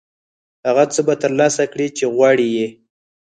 هغه څه به ترلاسه کړې چې غواړې یې.